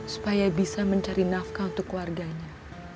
supaya bisa mencari nafkah untuk keluarganya